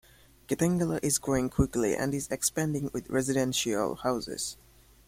Kitengela is growing quickly and is expanding with residential houses.